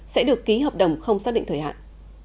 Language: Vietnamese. sẽ được ký hợp đồng không xác định thời hạn